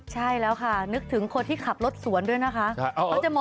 ใช่แล้วค่ะนึกถึงคนที่ขับรถสวนด้วยนะคะ